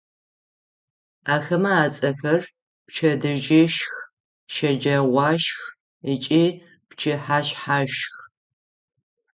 Ахэмэ ацӏэхэр: пчэдыжьышх, щэджэгъуашх ыкӏи пчыхьэшъхьашх.